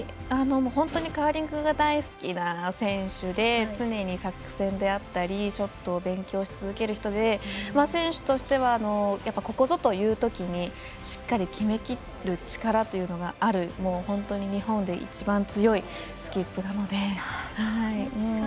本当にカーリングが大好きな選手で常に作戦であったりショットを研究していたり選手としてはここぞというときにしっかり決めきる力がある本当に日本で一番強いスキップなので。